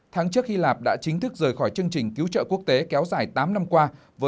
tháng trước hy lạp đã chính thức rời khỏi chương trình cứu trợ quốc tế kéo dài tám năm qua